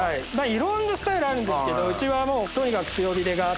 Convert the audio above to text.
いろんなスタイルあるんですけどうちはとにかく強火でガっと。